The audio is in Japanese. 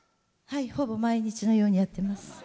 ほぼ毎日のようにやってます。